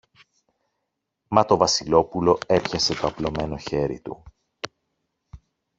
Μα το Βασιλόπουλο έπιασε το απλωμένο χέρι του.